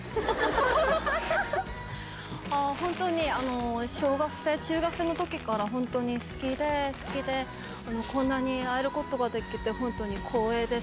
本当に小学生、中学生のときから本当に好きで、好きで、こんなに会えることができて、本当に光栄です。